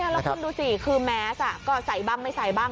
แล้วคุณดูสิคือแมสก็ใส่บ้างไม่ใส่บ้าง